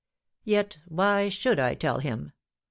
Yet why should I tell him?